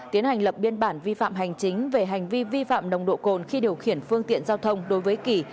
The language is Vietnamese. tiến hành lập biên bản vi phạm hành chính về hành vi vi phạm nồng độ cồn khi điều khiển phương tiện giao thông đối với kỳ